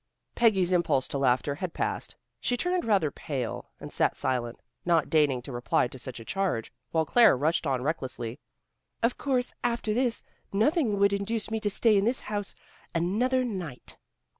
Peggy's impulse to laughter had passed. She turned rather pale, and sat silent, not deigning to reply to such a charge, while Claire rushed on recklessly. "Of course, after this, nothing would induce me to stay in this house another night."